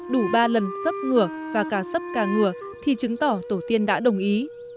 đủ ba lần sấp ngửa và cả sấp cả ngửa thì chứng tỏ tổ tiên đã đồng ý